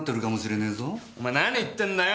お前何言ってんだよ！？